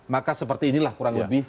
maka seperti inilah kurang lebih